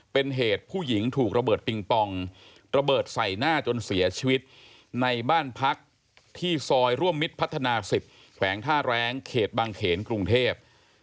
เป็นเหตุผู้หญิงถูกระเบิดปิงปองระเบิดใส่หน้าจนเสียชีวิตในบ้านพักที่ซอยร่วมมิตรพัฒนา๑๐แขวงท่าแรงเขตบางเขนกรุงเทพ